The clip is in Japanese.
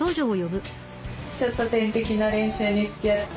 ちょっと点滴の練習につきあって。